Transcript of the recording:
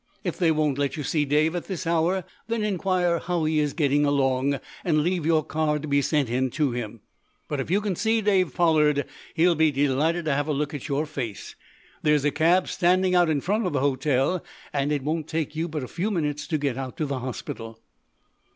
If they won't let you see Dave at this hour, then inquire how he is getting along, and leave your card to be sent in to him. But, if you can see Dave Pollard, he'll be delighted to have a look at your face. There's a cab standing out in front of the hotel, and it won't take you but a few minutes to get out to the hospital."